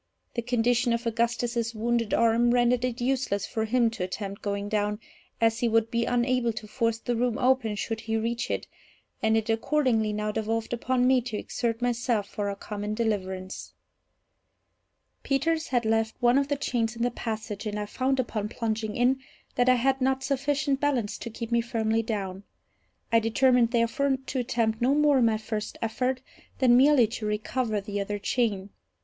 The condition of Augustus's wounded arm rendered it useless for him to attempt going down, as he would be unable to force the room open should he reach it, and it accordingly now devolved upon me to exert myself for our common deliverance. Peters had left one of the chains in the passage, and I found, upon plunging in, that I had not sufficient balance to keep me firmly down. I determined, therefore, to attempt no more, in my first effort, than merely to recover the other chain.